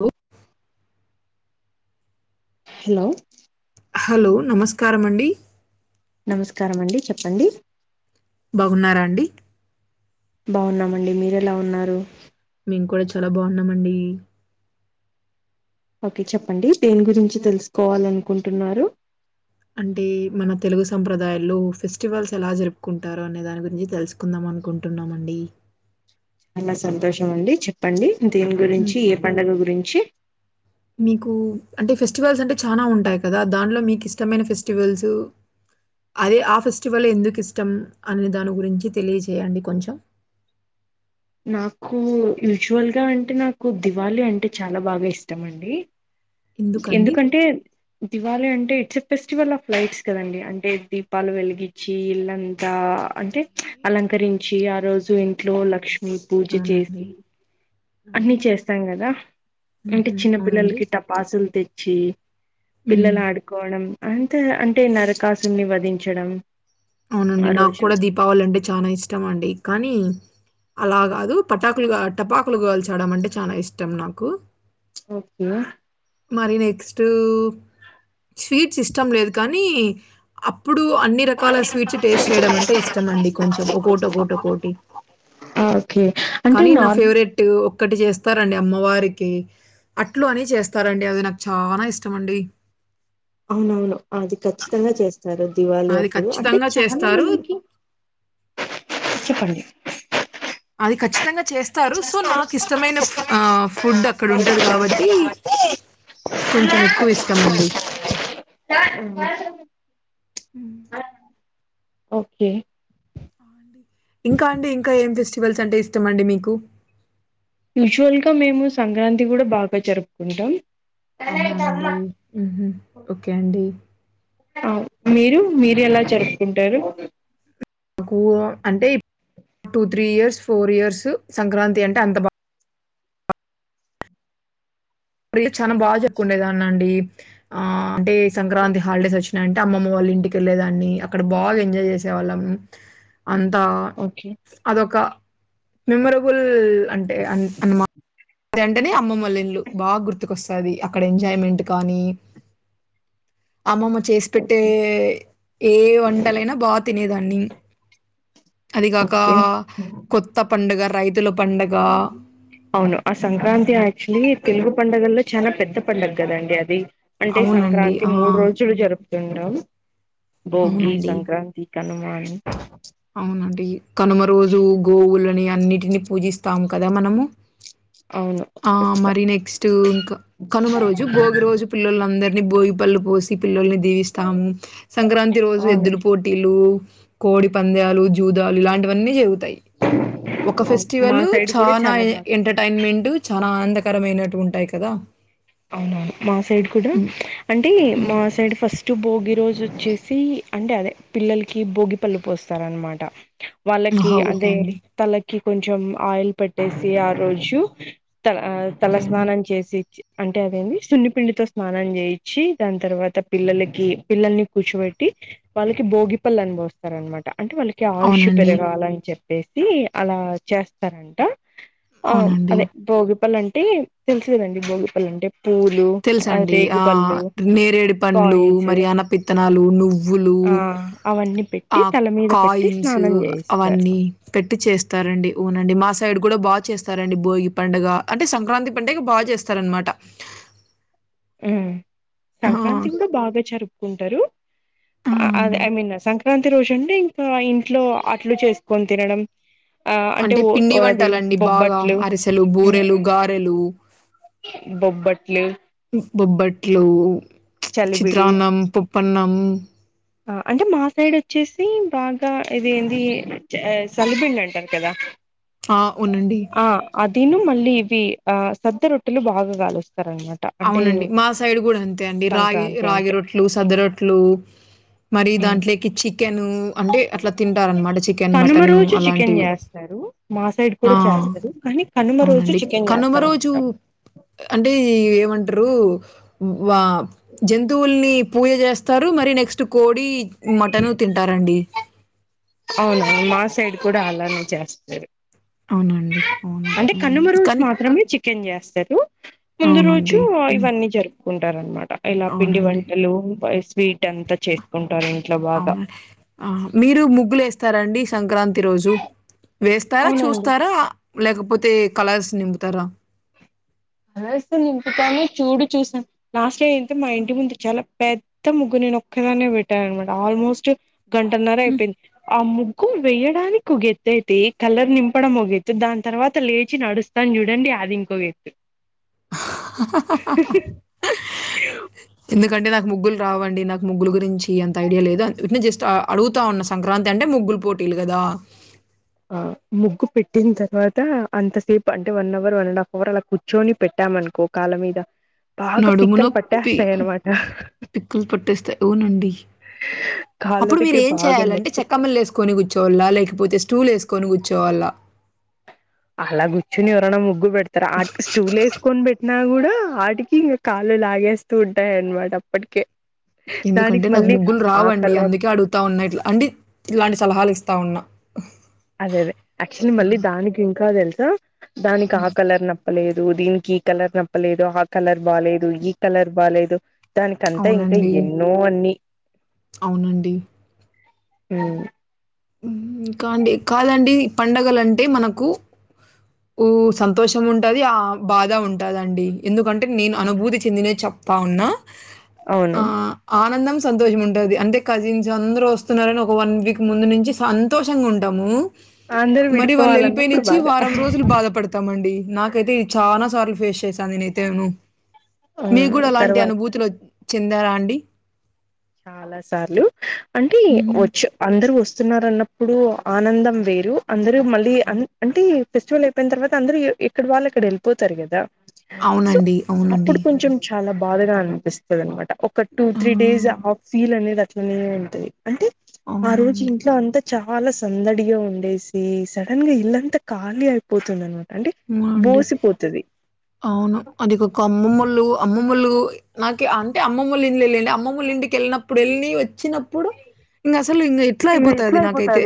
Hello hello hello నమస్కారం అండి నమస్కారం అండి చెప్పండి బాగున్నారా అండి? బాగున్నామండి మీరు ఎలా ఉన్నారు? మేము కూడా చాలా బాగున్నామండి. ఓకే చెప్పండి దేని గురించి తెలుసుకోవాలనుకుంటున్నారు? అంటే మన తెలుగు సంప్రదాయాల్లో ఫెస్టివల్స్ ఎలా జరుపుకుంటారు అనే దాని గురించి తెలుస్ కుందాం అనుకుంటున్నామండి చాలా సంతోషం అండి చెప్పండి దేని హ్మ్. గురించి ఏ పండగ గురించి మీకు అంటే ఫెస్టివల్స్ అంటే చానా ఉంటాయ్ కదా దాన్లో మీకు ఇష్టమైన ఫెస్టివల్స్ అదే ఆ ఫెస్టివల్ ఎందుకు ఇష్టం అనే దాని గురించి తెలియజేయండి కొంచెం నాకు యూచువల్గా అంటే నాకు దివాళి అంటే చాలా బాగా ఇష్టం అండి ఎందుకండి? ఎందుకంటే? దివాళి అంటే it's a festival of lights కదండి అంటే దీపాలు వెలిగిచ్చి ఇల్లంతా అంటే అలంకరించి ఆ రోజు ఇంట్లో లక్ష్ ను పూజ అవునండి. చేసి అన్నీ అవునండి. చేస్తాం కదా? అంటే హుహు. చిన్న అవునండి. పిల్లల్కి టపాసులు తెచ్చి హ్మ్. పిల్లలు ఆడు కోణం అంత అంటే నరకాసున్ని వధించడం అవునండి ఆ నాకు రోజు కూడా దీపావళి అంటే చానా ఇష్టం అండి కానీ అలా కాదు పటాకులు టపాకులు గోల్చడం అంటే చాలా ఇష్టం నాకు ఓకే మరి నెక్స్టు స్వీట్స్ ఇష్టం లేదు కానీ అప్పుడు అన్ని ర స్వీట్స్ టేస్ట్ చేయడం అంటే ఇష్టంమండి కొంచెం ఒకోటి ఒకోటి ఒకోటి ఆ ఓకే అంటే నా ఫేవరెట్ ఒక్కటి చేస్తారండి అమ్మవారికి అట్లు అని చేస్తారండి అది నాకు చానా ఇష్టమండి అవునవును అది అ ఖచ్చితంగా చేస్తారు దివాళి అది అప్పుడు అంటే ఖచ్చితంగా చాలా చేస్తారు. మందికి చెప్పండి అది ఖచ్చితంగా చేస్ స్తారు సో నాకు ఇష్టమైన ఫూ ఆ ఫుడ్ అక్కడ ఉండదు కాబట్టి కొంచెం ఎక్కువ ఇష్టం అండి ఉ హ్మ్. ఓకే ఆ! అండి. ఇంకా అండి ఇంకా ఏం ఫెస్టివల్స్ అంటే ఇష్టం అండి మీకు యూజువల్ గా మేము సంక్రాంతి కూడా బాగా జరుపుకుంటాం నాన్న అవునా ఇదో అమ్మ అండి. హుహు. ఓకే అండి. అ మీరు మీరు ఎలా జరుపుకుంటారు నాకు అంటే two three years four years Sankranti అంటే అంత బా ప్రిల్ చానా బా జరుపుకునే దానండి ఆ అంటే సంక్రాంతి హాలిడేస్ వచ్చినాయంటే అమ్మమ్మ వాళ్ళ ఇంటికిెళ్లేేదాన్ని అక్కడ బాగా ఎంజాయ్ చేసేవాళ్ళం అంతా ఓకే అదొక మెమరబుల్ అంటే అన్ అన్నమా తే అంటేనే అమ్మ వాళ్ల ఇల్లు బా గుర్తుకొస్తది అక్కడ ఎంజాయ్మెంట్ కానీ అమ్మమ్మ చేసి పెట్టే ఓకే ఏ వంటలైనా బా తినేదాన్ని అది కాక ఓకే కొత్త పండుగ రైతుల పండగ అవును ఆ సంక్రాంతి యాక్చులీ తెలుగు పండుగల్లో చాలా పెద్ద పండగ కదండి అది అంటే అవునండి. సంక్రాంతి ఆ! మూడు రోజులు జరుప్ తుండం భోగి, అవునండి. సంక్రాంతి, కనుమా అని అవునండి కనుమ రోజు గోవులని అన్నిటిని పూజిస్తాము కదా మనము అవును ఆ మరి నెక్స్ట్ ఇంకా కనుమ రోజు భోగి రోజు పిల్లలందరినీ బోగిపళ్ళు పోసి పిల్లల్ని దీవిస్తాము సంక్రాంతి రోజు అవును ఎద్దులు పోటీలు కోడి పంద్యాలు జూదాలు ఇలాంటివన్నీ జరుగుతాయి ఒక మా ఫెస్టివల్ సైడ్ కూడా చానా చాలా ఏ బాగా ఎంటర్టైన్మెంట్ చానా ఆనందకరమైనట్టు ఉంటాయి కదా అవునవును మా సైడ్ కూడా హ్మ్. అంటే హ్మ్. మా సైడ్ ఫస్ టు భోగి రోజు వచ్చేసి అంటే అదే పిల్లలకి భోగి పళ్ళు పోస్తారు అనమాట వాళ్ళకి ఆహా ఓకే అదే అండి తలకి కొంచెం ఆయిల్ పెట్టేసి ఆ రోజు త ఆ తల ఓకే అండి స్నానం చేసి అంటే అదేమీ సున్నిపిడితో స్నానం చేయించిి దాని తర్వాత పిల్లలకి పిల్లల్ని కూర్చోబెట్టి వాళ్ళకి భోగిపల్లున్ పోస్తార్ అనమాట అంటే వాళ్ళకి కే ఆయుష్ అవునండి పెరగాలని చెప్పేసి అలా చేస్తారంట ఆ అవునండి అదే భోగిపల్ అంటే తెలుసు కదండీ భోగిపల్ అంటే పూలు తెలుసండి ఆ రేగుపళ్ళు నేరేడు పండ్లు కాయిన్స్ మరి అనపిత్తనాలు నువ్ వ్వులు ఆ అవన్నీ పెట్ ఆ కాయిన్సు అవన్నీ పెట్టి చేస్తారంండి ఊనండి మా సైడ్ కూడా బా చేస్తారండి భోగి పండగ అంటే సంక్రాంతి పండుగ బా చేస్ స్తార్ అనమాట ఉ ఆ సంక్రాంతి కూడా బాగా జరుపుకుంటారు ఆ అదే ఐ మీన్ సంక్రా తి రోజు అండి ఇంకా ఇంట్లో అట్లు చేసుకొని తినడం ఆ అంటే ఓ పిండి అది వంటలండి బాగా బొబ్బట్లు అరిసెలు ఉమ్, బూరెలు గారెలు బొబ్బట్లు బొబ్బట్లు చలిబిడి చిత్రాన్నం పుప్పన్నం అంటే మా సైడ్ వచ్చేసి బాగా ఇది ఏంది సలిబిండి అంటారు కదా ఆ ఉనండి ఆ అదిను మళ్ళీ ఇవి ఆ సద్ద రొట్టెలు బాగా గాలుస్తారు అనమాట అంటే అవునండి మా సైడ్ కూడా అంతే అండి రాగి సంక్రాంతి రాగి అంటే రొట్లు సద్ద రొట్లు మరి ఉమ్. దాంట్లోకి చికెన్ అంటే అట్లా తింటార అనమాట చికెన్ కనుమ మటన్ రోజు చికెన్ అలాంటివి చేస్తారు మా సైడ్ ఆ కూడా చేస్తరు కానీ కనుమ రోజు అవునండి చికెన్ కనుమ రోజు చేస్తారనమాటా అంటే ఏమంటారు వా జంతువుల్ని పూజ చేస్ తారు మరి నెక్స్ట్ కోడి మటన్ తింటారండి అవును మా సైడ్ కూడా అలానే చేస్తారు అవునండి అవును అంటే హ్మ్. కనుమ రోజు కానీ మాత్రమే చికెన్ చేస్తారు ముందు రోజు అవునండి హ్మ్. ఇవన్నీ జరు కుంటారు అనమాట ఇలా పిండి అవునండి వంటలు స్వీట్ అంతా చేసుకుంటారు ఇంట్లో బాగా అవున అవును మీరు ముగ్గులు వేస్తారాండి సంక్రాంతి రోజు వేస్తారా అవునండి చూస్తారా లేకపోతే కలర్స్ నింపుతారా అలాస్త నింపుతాను చూడు చూసాను లాస్ట్ ఇయర్ అయితే మా ఇంటి ముందు చాలా పెద్ద ముగ్గు నేను ఒక్కదానే పెట్టా అనమాట ఆల్మోస్ట్ గంటన్నర హ్మ్. అయిపేంది ఆ ముగ్గు వేయడానికి ఒక ఎత్తయితే కలర్ నింపడం ఓగేత్తు దాని తర్వాత లేచి నడుస్త తం చూడండి అది ఇంకో ఎందుకంటే నాకు ముగ్గులు రావండి నాకు ముగ్గులు గురించి అంత ఐడియా లేదు జస్ట్ అడుగు పతా ఉన్న సంక్రాంతి అంటే ముగ్గులు పోటీలు కదా ఆ ముగ్గు పెట్టిన తర్వాత అంత సేపు అంటే one hour one and half hour అలా కూర్చ చొని పెట్టామనుకో కాల మీద బాగా నడుము పిక్కలు నొప్పి పట్టేస్తాయి అనమాట పిక్కలు పట్టేస్తాయి అవునండి కాళ్ళ అప్పుడు మీరు దగ్గర ఏం బాగా చేయాలంటే నొప్పి చెక్కమ్మలు వేసుకొని కూర్చోవళ్ల లేకపోతే స్టూలు వేసుకొని కూర్చోవళ్ల అలా కూర్చుని ఎవరైనా ముగ్గు పెడతార ఆటికి స్టూలు వేసుకొని పెట్టినా కూడా ఆటికి కాళ్ళు లాగేస్తూ ఉంటాయిన్నమాట అప్పటికే ఎందుకంటే దానికి నాకు మళ్ళీ ముగ్గులు ఆ రావండి కలర్ అందుకే అడుగుతా ఉన్నా ఇట్లా అండి ఇలాంటి సలహాలు ఇస్తా ఉన్నా అదే అదే యాక్చువల్లీ మళ్ళీ దానికి ఇంకా తెలుసా దానికి హ్మ్. ఆ కలర్ న నప్పలేదు దీనికి ఈ కలర్ నప్పలేదు ఆ కలర్ బాలేదు ఈ కలర్ బాలేదు దానికంతా ఇంకా అవునండి. ఎన్నో అన్ని అవునండి ఉమ్ ఇంకా అండి కాదండి ఈ పండగల అంటే మనకు ఊ సంతోషం ఉంటది ఆ బాధ ఉంటదండి ఎందుకంటే నేను అనుభూతి చెందిన చెప్ప తావున్న అవును ఆ ఆనందం సంతోషం ఉంటంది అంటే కజిన్స్ అందరు వస్తున్నారని ఒక వన్ వీక్ ముందు నుంచి సంతోషంగా ఉంటాము అందరు మరి వాళ్ళు విడిపోవాలన్నప్పుడు వెళ్ళిపోయినుచ్చి బాగా వారం రోజు బాధపడతామండి నాకైతే ఇది చానా సార్లు ఫేస్ చేసాను నేనైతేను మీ కూడా అలాంటి తర్వాత అనుభూతులు చెందారా అండి చాలా సార్లు అంటే హుహు. వచ్చు అందరు వస్తున్నారు అన్నప్పుడు ఆనందం వేరు అందరు మళ్ళీ అం అంటే ఫెస్టివల్ అయిపోయిన తర్వాత అందరూ ఎక్కడి వాళ్ళుక్కడ వెళ్పోతారు కదా సో అవునండి. అవునండి. అప్పుడు కొంచెం చాలా బాధగా అనిపిస్తదనమాట ఒక టూ ఆ! త్రీ డేస్ ఆ ఫీల్ అనేది అట్లనే ఉంటది అంటే ఆ రోజ్ జు అవునండి. ఇంట్లో అంతా చాలా సందడిగా ఉండేసి సడన్గా ఇల్లంతా ఖాళీ అయిపోతుంది అనమాట అంటే ఆ అండి బోసిపోతది అవును అది ఒక కమ్మ ముల్లు అమ్మమ్ములు నాకి అంటే అమ్మమ్మలు ఇండ్లేలెళ్లలే అమ్మమ్మోలింటికి ఏళ్ళినప్పుడు ఏళ్ళి వచ్చినప్ ప్పుడు ఇంగ అసలు ఇంగ ఎట్లా అయిపోతది నాకైతే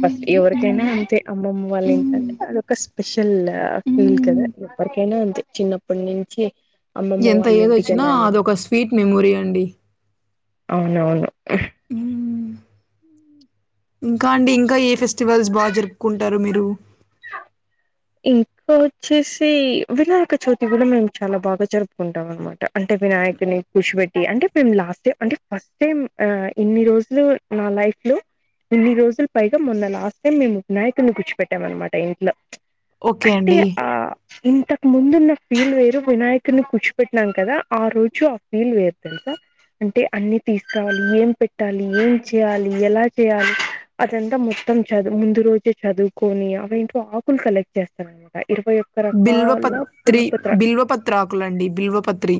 ఫస్ట్ ఎవరికైనా హ్మ్. అంతే అమ్మమ్మ వాళ్ళ ఇల్లంటే హ్మ్. అదొక స్పై స్పెషల్ ఫీల్ కదా హ్మ్. ఏవ్వారికైనా అంతే చిన్నప్పటి నుంచి అమ్మమ్మ ఎంత వాళ్ళ ఏది ఇంటికి వచ్చినా వెళ్ళాలి అని అదొక స్వీట్ మెమొరీ అండి అవునవును ఉహ్ ఇంకా అండి ఇంకా ఏ ఫెస్టివల్స్ బా జరుపుకుంటారు మీరు ఇంకా వచ్చేసి వినాయక చవితి కూడా మేము చాలా బాగా జరుపుకుంటాం అనమాట అంటే వినాయక్ కున్ని కూర్చిబెట్టి అంటే మేము లాస్ట్ టై అంటే ఫస్ట్ టైమ్ ఇన్ని రోజులు నా లైఫ్ లో ఇన్ని రోజులు పైగా మొన్న లాస్ట్ టైం మేము వినాయకుని కూర్చోపెట్టం అనమాట ఇంట్లో ఓకే అంటే అండి. ఆ ఇంతకు ముందు ఉన్న ఫీల్ వేరు వినాయకున్నీ కూర్చుపెట్టినాం కదా ఆ రోజు ఆ ఫీల్ వేరు తెలుసా అంటే అన్ని తీసుకోవాలి ఏం పెట్టాలి ఏం చేయాలి ఎలా చేయాలి అదంతా మొత్తం చదువు ముందు రోజే చదువుకొని అవంటో అక్ కూల్ కలెక్ట్ చేస్తానంటా ఇరవై ఒక్ బిల్వ పత్రి బిల్వ పత్రాకులండి బిల్వ పత్రి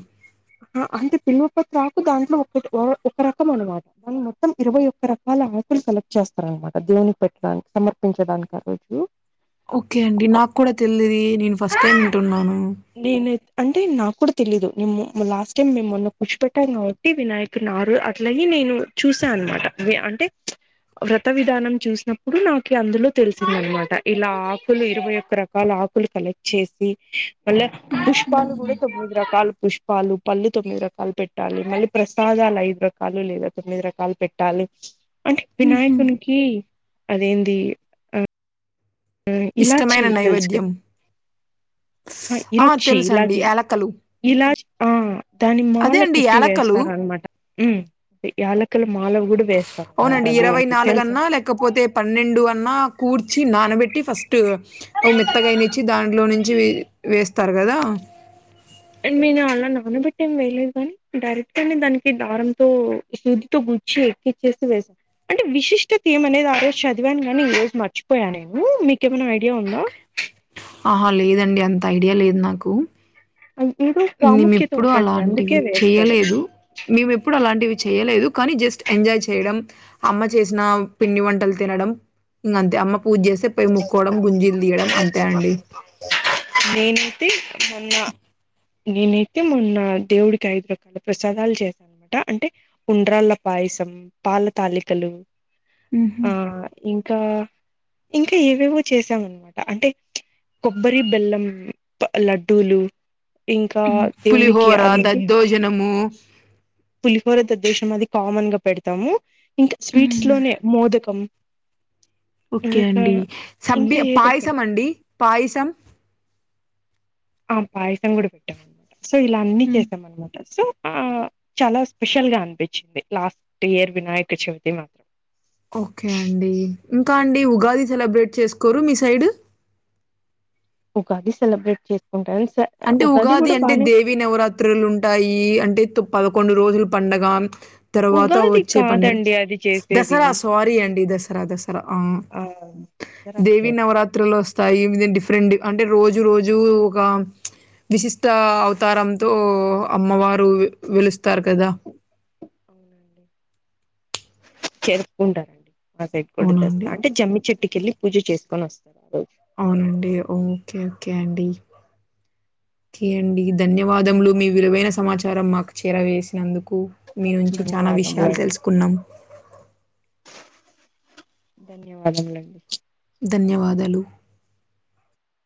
అంటే బిలువ ప్రతి ఆకు దాంట్లో ఒకటి ఒక రకం అనమాట వాళ్ళు మొత్తం ఇరవై ఒక్క రకాల ఆకులు సెలెక్ట్ చేస్తారన్నమాట దేవుని పెట్టడానికి సమర్పించడానికి ఆ రోజు ఓకే అండి నాకు కూడా తెలిది నేను ఫస్ట్ టైమ్ వింటున్నాను నేన అంటే నాకు కూడా తెలిదు నిమ్ము లాస్ట్ టైం మేము మొన్న కూర్చిపెట్టాం కాబట్టి వినాయకునారు అట్లాగే నేను చూసాననమాట మీ అంటే వ్రత విధానం చూసినప్పుడు నాకి అందులో తెలిసిందనమాట ఇలా ఆకులు ఇరవై ఒక్కర రకాల ఆకులు కలెక్ట్ చేసి మళ్ళ పుష్పాలు కూడా తొమ్మిది రకాల పుష్ప పాలు పళ్ళు తొమ్మిది రకాలు పెట్టాలి మళ్ళీ ప్రసాదాలు ఐదు రకాలు లేదా తొమ్మిది రకాలు పెట్టాలి అంటే ఉహు వినాయకునికి అదేంది ఇలాచి ఇష్టమైన నైవేద్యం లా ఆ లచ్చి ఇ తెలుసండి లాఠీ యాలకలు ఇలాచీ ఆ దాని అదే మాల అండి కుట్టి యాలకలు వేస్తారనమాట ఉ యాలకల మాల కూడా వేస్తాం అన్నమాట అవునండి ఇరవై దేవునికి నాలుగు తెలుసా అన్నా లేకపోతే పన్నెండు అన్నా కూర్చి నానబెట్టి ఫస్ స్ట్ మెత్తగాయనిచ్చి దాంట్లో నుంచి వే వేస్తారు కదా నేను అలా నానబెట్టి ఏం వెేయలేదు గాని డైరెక్ట్ గానే దానికి దారంతో సూదితో గుర్ చి ఇచ్చేసి వేస్ అంటే విశిష్టత ఏమ అనేది ఆ రోజు చదివాను గానీ ఈ రోజు మర్చిపోయా నేను మీకేమైనా ఐడియా ఉందా ఆహా లేదండి అంత ఐడియా లేదు నాకు అన్పిదు మీము ఎప్పుడు అలాంటివి చెయ్యలేదు మేము ఎప్పుడు అలాంటివి చేయలేదు కానీ జస్ట్ ఎంజాయ్ చేయడం అమ్మ చేసిన పిండి వంటలు తినడం ఇంగ అంతే అమ్మ పూజ చేస్తే పై మొక్కోడం గుంజీలు తీయడం అంతే అండి నేనైతే అన్న నేనైతే మొన్న దేవుడికి ఐదు రకాల ప్రసాదాలు చే ట అంటే ఉండ్రాళ్ళ పాయసం పాల తాలికలు మ్ హు ఆ ఇంకా ఇంకా ఏవేవో చేసామ అనమాట అంటే కొబ్బరి బెల్లం ప్ లడ్డూలు ఇంకా దేవునికి అదేంది జనము పులిహోర దాద్దోజనం అది కామన్ గా పెడతాము ఇంకా స్వీట్స్ లోనే మోదకం ఓకే ఇంకా అండి సబ్బి ఇంకా ఏదో ఒకటి పాయసం అండి పాయసం ఆ పాయసం కూడా పెట్టాం అనమాట సో ఇలా అన్నీ చేసాం అనమాట సో ఆ చాలా స్పెషల్ గా అనిపించింది లాస్ట్ ఇయర్ వినాయక చవితి మాత్రం ఓకే అండి ఇంకా అండి ఉగాది సెలబ్రేట్ చేసుకోరు మీ సైడ్ ఉగాది సెలబ్రేట్ చేసుకుంటా స్ అంటే ఉగాది అంటే దే వి నవరాత్రులు ఉంటాయి అంటే పదకొండు రోజులు పండగ తర్వాత ఉగాది వచ్చే పండుగ కాదండి అది చేసేది దసరా స్వా రి అండి దసరా దసరా ఆ దసరా దేవి చేస్తారు నవరాత్రులోస్ స్థాయి ద్ డిఫరెంట్ డ్ అంటే రోజు రోజు ఒక విశిష్ట అవతారంతో అమ్మవారు వెలుస్తారు కదా చేసుకుంటారండి మా సైడ్ కూడా అవునా దసర అండి? అంటే జమ్మి చెట్టుకేళ్ళి పూజ చేసుకొనోస్తారు ఆ రోజు అవునండి ఓకే ఓకే అండి ఓకే అండి ధన్యవాదములు మీ విలువైన సమాచారం మాకు చేరవేసినందుకు మీ నుంచి చాలా విషయాలు ధన్యవాదములండి తెలుసుకున్నాం ధన్యవాదములండి ధన్యవాదాలు